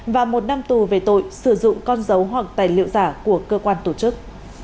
và một năm tù về tội sử dụng con dấu hoặc tài liệu giả của cơ quan tổ chức